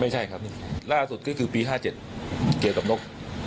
ไม่ใช่ครับล่าสุดก็คือปี๕๗เกี่ยวกับนก